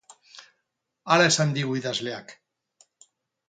Hala esan digu idazleak.